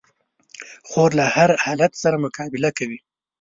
خور له هر حالت سره مقابله کوي.